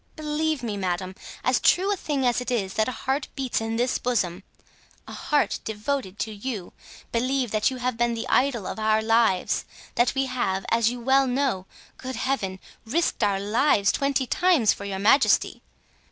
Believe me, madame, as true a thing as it is that a heart beats in this bosom—a heart devoted to you—believe that you have been the idol of our lives; that we have, as you well know—good Heaven!—risked our lives twenty times for your majesty.